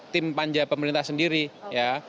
tim panja pemerintah sendiri ya